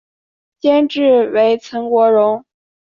监制为岑国荣。